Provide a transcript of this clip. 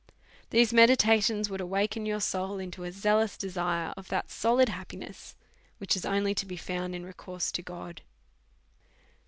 These meditations would L 146 A SERIOUS CALL TO A awaken your souls into a zealous desire of that solid happiness, which is only to be found in recourse to God.